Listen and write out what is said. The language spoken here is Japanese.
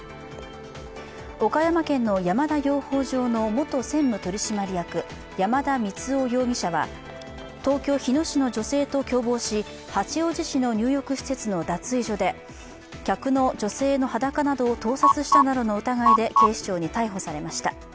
岡山県の山田養蜂場の元専務取締役、山田満生容疑者は東京・日野市の女性と共謀し、八王子市の入浴施設の脱衣場で客の女性の裸などを盗撮したなどの疑いで警視庁に逮捕されました。